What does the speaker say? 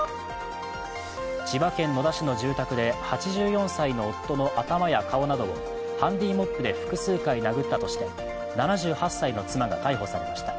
千葉県野田市の住宅で８４歳の夫の頭や顔などをハンディモップで複数回殴ったとして７８歳の妻が逮捕されました。